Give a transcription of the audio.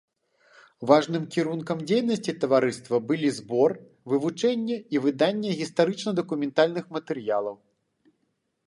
Важным кірункам дзейнасці таварыства былі збор, вывучэнне і выданне гістарычна-дакументальных матэрыялаў.